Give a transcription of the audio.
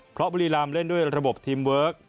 เพราะบุรีรำเล่นด้วยระบบทีมเวิร์ค